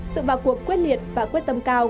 sự vào cuộc quyết liệt và quyết tâm cao